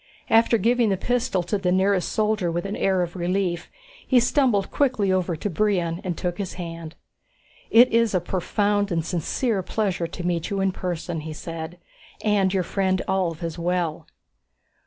After giving the pistol to the nearest soldier with an air of relief, he stumbled quickly over to Brion and took his hand. "It is a profound and sincere pleasure to meet you in person," he said. "And your friend Ulv as well."